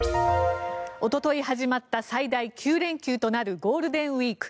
おととい始まった最大９連休となるゴールデンウィーク。